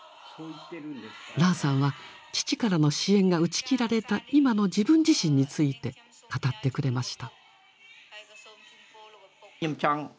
ラーさんは父からの支援が打ち切られた今の自分自身について語ってくれました。